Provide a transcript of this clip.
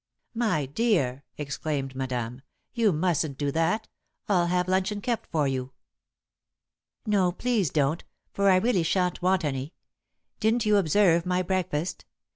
"My dear!" exclaimed Madame. "You mustn't do that. I'll have luncheon kept for you." "No, please don't, for I really shan't want any. Didn't you observe my breakfast?